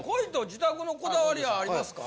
自宅のこだわりはありますか？